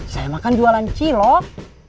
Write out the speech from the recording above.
saya makan jualan cilok